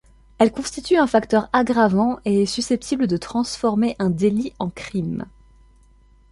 Elle constitue un facteur aggravant et est susceptible de transformer un délit en crime.